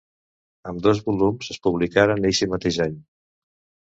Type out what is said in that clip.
Ambdós volums es publicaren eixe mateix any.